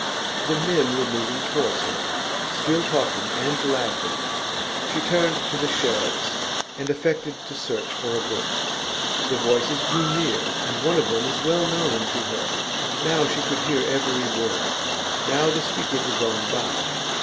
The men were moving towards her, still talking and laughing. She turned to the shelves, and affected to search for a book. The voices drew near, and one of them was well known to her; now she could hear every word; now the speakers were gone by.